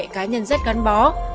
nhưng các bác nhân rất gắn bó